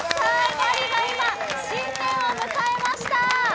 パリは今、新年を迎えました！